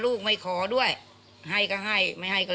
เผื่อเขายังไม่ได้งาน